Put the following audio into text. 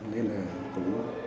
nên là cũng